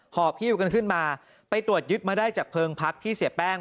หอบฮิ้วกันขึ้นมาไปตรวจยึดมาได้จากเพลิงพักที่เสียแป้ง